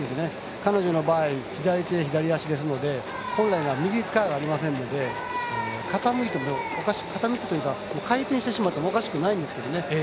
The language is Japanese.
彼女の場合、左手左足ですので右側がありませんので傾くというか回転してしまってもおかしくないんですけどね。